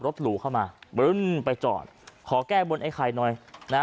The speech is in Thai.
หรูเข้ามาบรึ้นไปจอดขอแก้บนไอ้ไข่หน่อยนะฮะ